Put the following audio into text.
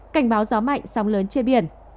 cảnh báo gió mạnh sóng lớn trên biển